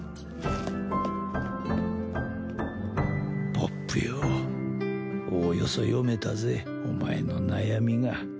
ポップよおおよそ読めたぜお前の悩みが。